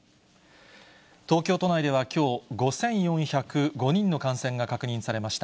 東京都内ではきょう、５４０５人の感染が確認されました。